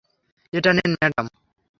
এটা নেন, ম্যাডাম।